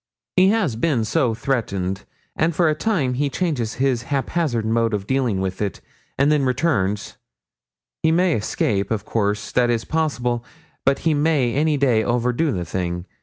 He has been so threatened, and for a time he changes his haphazard mode of dealing with it, and then returns; he may escape of course, that is possible but he may any day overdo the thing.